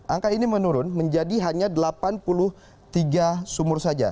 angka ini menurun menjadi hanya delapan puluh tiga sumur saja